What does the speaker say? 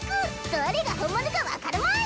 どれが本物か分かるまい！